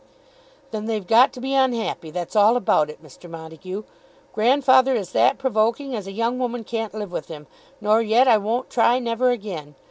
"Then they've got to be unhappy; that's all about it, Mr. Montague. Grandfather is that provoking as a young woman can't live with him, nor yet I won't try never again.